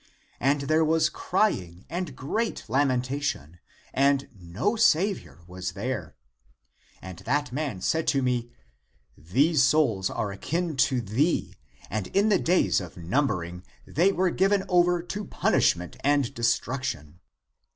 And there was crying and great lamentation, and no Saviour w^as there. And that man said to me, These souls are akin to thee, and in the days of numbering they were given over to punishment and destruction.